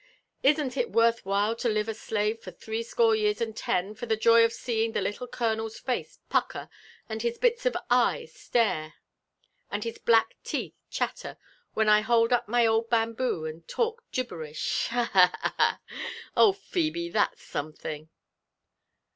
Isn't it worlh while to live a slave for threescore years and ten, for the joy of seeing the little colonel's face pucker, and his, bitsof eyesstare, and his black teeth chatter, when I hold up my old bamboo and talk gibberish? ha! ha ! ha ! ha! — Oh, Phebe, that's something!"